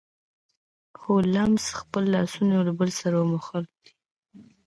هولمز خپل لاسونه یو له بل سره وموښل.